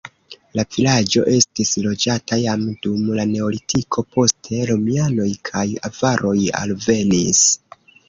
La vilaĝo estis loĝata jam dum la neolitiko, poste romianoj kaj avaroj alvenis.